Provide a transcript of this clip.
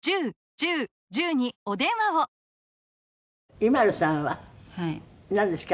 ＩＭＡＬＵさんはなんですか？